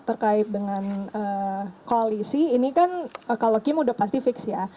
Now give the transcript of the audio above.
terkait dengan koalisi ini kan kalau kim sudah pasti fix ya